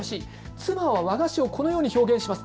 妻は和菓子をこのように表現します。